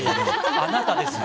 あなたです。